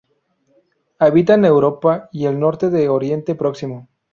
Habita en Europa y el norte de Oriente Próximo.